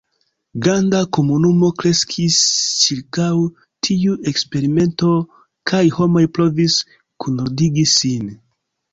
Granda komunumo kreskis ĉirkaŭ tiu eksperimento, kaj homoj provis kunordigi sin.